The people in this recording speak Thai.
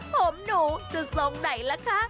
ผมหนูจะซ่องใดแล้วคะ